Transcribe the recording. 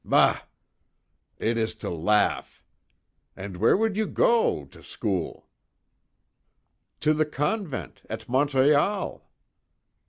Bah! It is to laugh! And where would you go to school?" "To the convent, at Montreal."